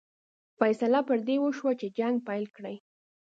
فیصله پر دې وشوه چې جنګ پیل کړي.